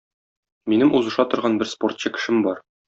Минем узыша торган бер спортчы кешем бар.